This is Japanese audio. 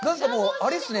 あれっすね。